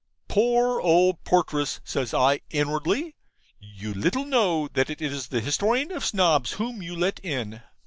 'Poor old porteress!' says I, inwardly. 'You little know that it is the Historian of Snobs whom you let in!'